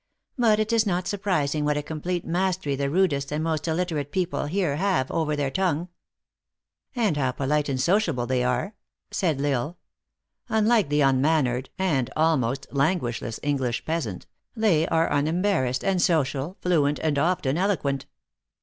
But it is not surprising what a complete mastery the rudest and most illiterate people here have over their tongue." " And how polite and sociable they are," said L Isle. " Unlike the un mannered and almost lan guageless English peasant, they are unembarrassed and social, fluent, and often eloquent."